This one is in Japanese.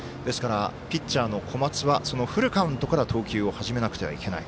ピッチャーの小松はそのフルカウントから投球を始めなくてはいけない。